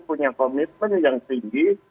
punya komitmen yang tinggi